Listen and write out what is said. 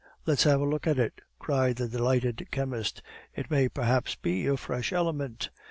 let's have a look at it!" cried the delighted chemist; "it may, perhaps, be a fresh element."